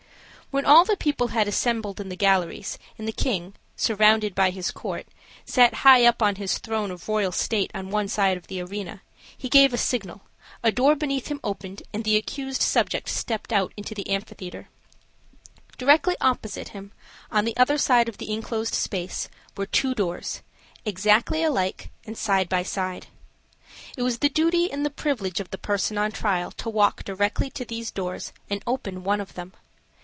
When all the people had assembled in the galleries, and the king, surrounded by his court, sat high up on his throne of royal state on one side of the arena, he gave a signal, a door beneath him opened, and the accused subject stepped out into the amphitheater. Directly opposite him, on the other side of the inclosed space, were two doors, exactly alike and side by side. It was the duty and the privilege of the person on trial to walk directly to these doors and open one of them.